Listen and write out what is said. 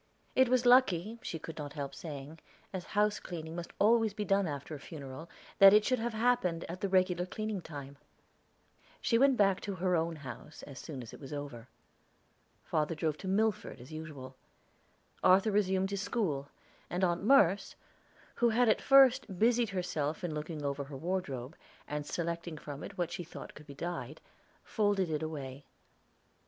It was lucky, she could not help saying, as house cleaning must always be after a funeral, that it should have happened at the regular cleaning time. She went back to her own house as soon as it was over. Father drove to Milford as usual; Arthur resumed his school, and Aunt Merce, who had at first busied herself in looking over her wardrobe, and selecting from it what she thought could be dyed, folded it away.